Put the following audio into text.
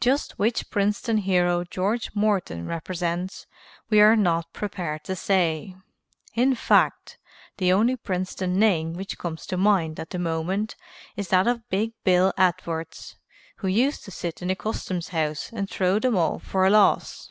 Just which Princeton hero George Morton represents we are not prepared to say. In fact, the only Princeton name which comes to mind at the moment is that of Big Bill Edwards who used to sit in the Customs House and throw them all for a loss.